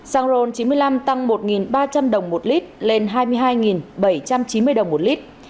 xăng ron chín mươi năm tăng một ba trăm linh đồng một lít lên hai mươi hai bảy trăm chín mươi đồng một lít